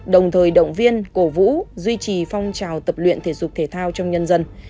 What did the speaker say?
đồng thời động viên cổ vũ duy trì phong trào tập luyện thể dục thể thao trong nhân dân